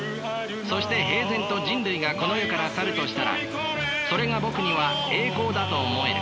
そして平然と人類がこの世から去るとしたらそれがぼくには栄光だと思える。